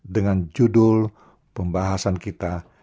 dengan judul pembahasan kita